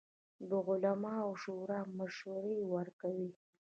د علماوو شورا مشورې ورکوي